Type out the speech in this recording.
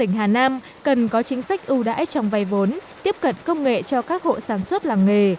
tỉnh hà nam cần có chính sách ưu đãi trong vay vốn tiếp cận công nghệ cho các hộ sản xuất làng nghề